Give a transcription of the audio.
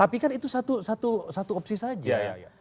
tapi kan itu satu opsi saja